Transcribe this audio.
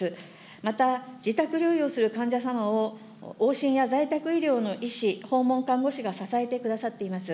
また自宅療養する患者様を往診や在宅医療の医師、訪問看護師が支えてくださっています。